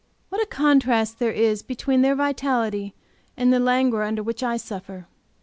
What a contrast there is between their vitality and the languor under which I suffer!